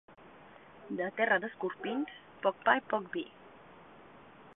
De terra d'escorpins, poc pa i poc vi.